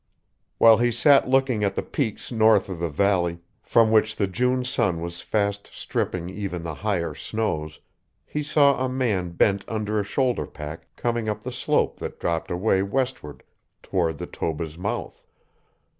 While he sat looking at the peaks north of the valley, from which the June sun was fast stripping even the higher snows, he saw a man bent under a shoulder pack coming up the slope that dropped away westward toward the Toba's mouth.